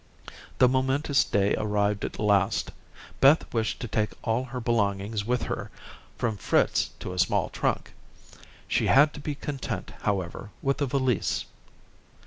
The momentous day arrived at last. Beth wished to take all her belongings with her, from Fritz to a small trunk. She had to be content, however, with a valise.